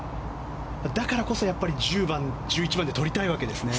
だからこそ１０番、１１番でとりたいわけですね。